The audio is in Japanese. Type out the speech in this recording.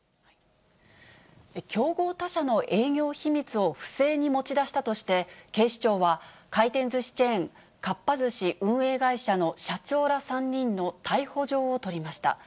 競合他社の営業秘密を不正に持ち出したとして、警視庁は、回転ずしチェーン、かっぱ寿司運営会社の社長ら３人の逮捕状を取りました。